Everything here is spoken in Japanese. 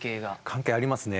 関係ありますね。